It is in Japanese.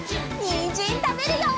にんじんたべるよ！